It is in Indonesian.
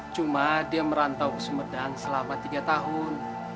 cuma dia merantau ke sumedang selama tiga tahun